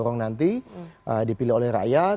orang nanti dipilih oleh rakyat